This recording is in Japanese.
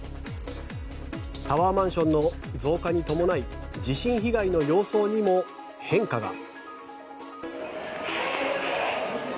タワーマンションの増加に伴い地震被害の様相にも変化が。